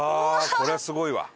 こりゃすごいわ。